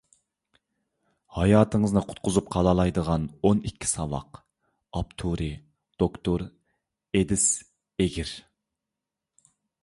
«ھاياتىڭىزنى قۇتقۇزۇپ قالالايدىغان ئون ئىككى ساۋاق»، ئاپتورى: دوكتور ئېدىس ئېگىر.